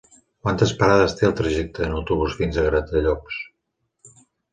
Quantes parades té el trajecte en autobús fins a Gratallops?